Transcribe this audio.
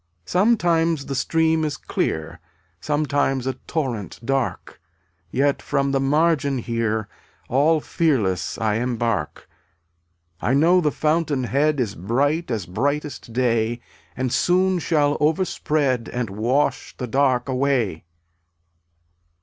163 Sometimes the stream is clear, Sometimes a torrent dark, Yet from the margin here All fearless I embark. I know the Fountain head Is bright as brightest day And soon shall overspread And wash the dark away.